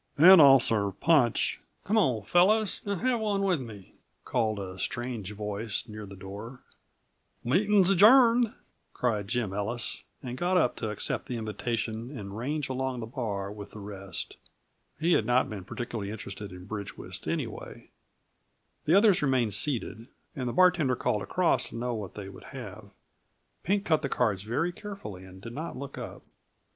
And I'll serve punch " "Come on, fellows, and have one with me," called a strange voice near the door. "Meeting's adjourned," cried Jim Ellis, and got up to accept the invitation and range along the bar with the rest. He had not been particularly interested in bridge whist anyway. The others remained seated, and the bartender called across to know what they would have. Pink cut the cards very carefully, and did not look up.